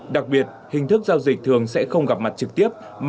đặc biệt hình thức giao dịch thường sẽ không gặp mặt trực tiếp